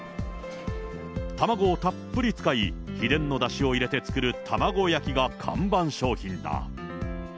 卵をたっぷり使い、秘伝のだしを入れて作る卵焼きが看板商品だ。